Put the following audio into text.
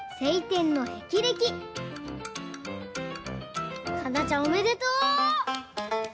かんなちゃんおめでとう！